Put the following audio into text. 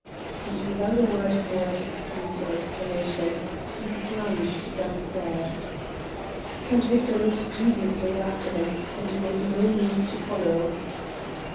And without a word more of excuse or explanation he plunged downstairs. Count Victor looked dubiously after him, and made no move to follow.